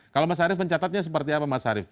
kalau mas arief mencatatnya seperti apa mas arief